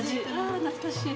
あ懐かしい。